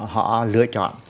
họ lựa chọn